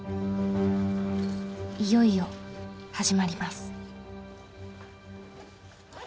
いよいよ始まります。